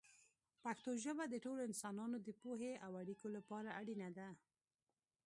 پښتو ژبه د ټولو انسانانو د پوهې او اړیکو لپاره اړینه ده.